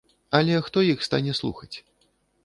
Але хто іх стане слухаць?